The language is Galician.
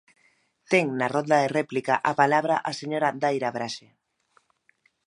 Ten na rolda de réplica a palabra a señora Daira Braxe.